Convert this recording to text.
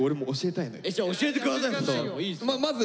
じゃあ教えてください！